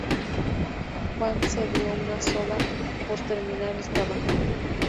Juan se dio una soba por terminar el trabajo.